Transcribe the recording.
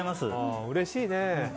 うれしいね。